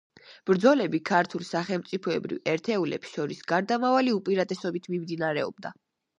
ბრძოლები ქართულ სახელმწიფოებრივ ერთეულებს შორის გარდამავალი უპირატესობით მიმდინარეობდა.